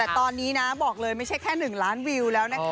แต่ตอนนี้นะบอกเลยไม่ใช่แค่๑ล้านวิวแล้วนะคะ